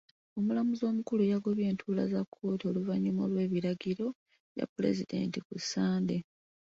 Omulamuzi omukulu yagobye entuula za kkooti oluvannyuma lw'ebiragiro bya pulezidenti ku Sunday